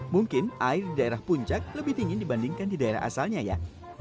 mungkin air di daerah puncak lebih dingin dibandingkan di daerah asalnya ya